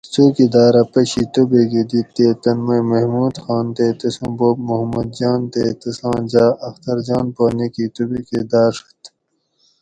څوکیداۤرہ پشی توبیکہ دیت تے تن مئی محمود خان تے تسوں بوب محمد جان تے تساں جاۤ اختر جان پا نِیکی توبیکہ داۤڛت